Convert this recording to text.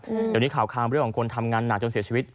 เดี๋ยวนี้ข่าวคามเรื่องของคนทำงานหนักจนเสียชีวิต